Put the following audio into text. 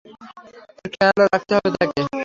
তোর খেয়ালও রাখতে হবে তাকে।